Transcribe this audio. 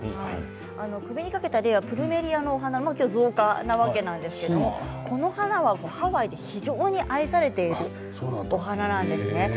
首にかけたレイはプルメリアという花の造花なんですがこの花はハワイで非常に愛されているお花なんですね。